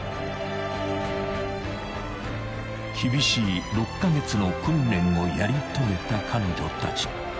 ［厳しい６カ月の訓練をやり遂げた彼女たち］